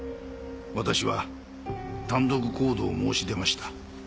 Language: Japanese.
私は単独行動を申し出ました。